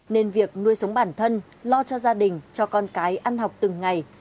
nên việc nuôi sống bản thân lo cho gia đình cho con cái ăn học từng ngày